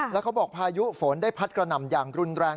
แล้วเขาบอกพายุฝนได้พัดกระหน่ำอย่างรุนแรง